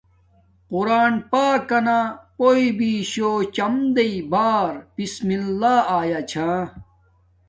قُرآن پاکانا پُیݸبِیشُوچمدَݵ باربسمِلﷲآیاچھآ